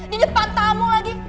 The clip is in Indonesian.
di depan tamu lagi